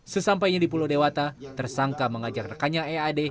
sesampainya di pulau dewata tersangka mengajak rekannya ead